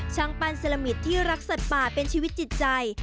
ช่างปั้นเซลมิตที่รักสัตว์ป่าเป็นชีวิตจิตใจ